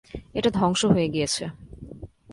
এটা ধ্বংস হয়ে গিয়েছে।